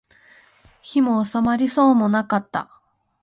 火も納まりそうもなかった